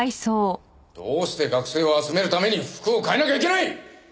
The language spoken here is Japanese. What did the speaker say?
どうして学生を集めるために服を変えなきゃいけない！